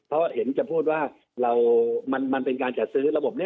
เพราะเห็นจะพูดว่ามันเป็นการจัดซื้อระบบนี้